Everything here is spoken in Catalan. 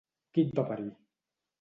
Qui et va parir!